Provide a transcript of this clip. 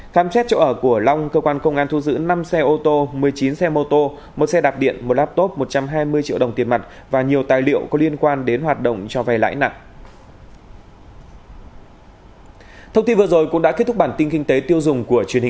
thông tin vừa rồi cũng đã kết thúc bản tin kinh tế tiêu dùng của truyền hình công an nhân dân cảm ơn sự quan tâm theo dõi của quý vị